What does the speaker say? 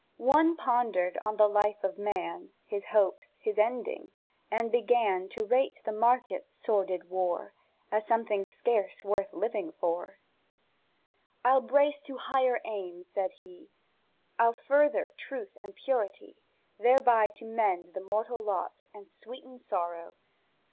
One pondered on the life of man, His hopes, his ending, and began To rate the Market's sordid war As something scarce worth living for. "I'll brace to higher aims," said he, "I'll further Truth and Purity; Thereby to mend the mortal lot And sweeten sorrow.